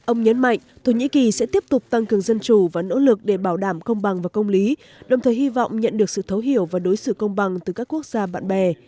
ông nhấn mạnh thổ nhĩ kỳ sẽ tiếp tục tăng cường dân chủ và nỗ lực để bảo đảm công bằng và công lý đồng thời hy vọng nhận được sự thấu hiểu và đối xử công bằng từ các quốc gia bạn bè